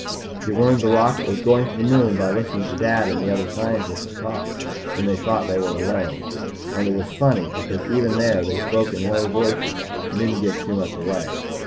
He learned the rocket was going to the moon by listening to Dad and the other scientists talk when they thought they were alone. And it was funny. Because even there, they spoke in low voices and didn't give too much away.